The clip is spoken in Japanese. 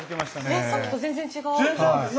えっさっきと全然違う。